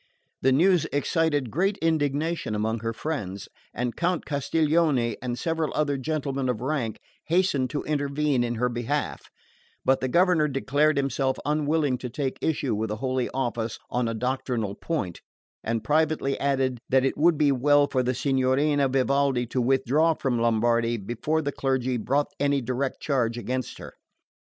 The news excited great indignation among her friends, and Count Castiglione and several other gentlemen of rank hastened to intervene in her behalf; but the governor declared himself unwilling to take issue with the Holy Office on a doctrinal point, and privately added that it would be well for the Signorina Vivaldi to withdraw from Lombardy before the clergy brought any direct charge against her.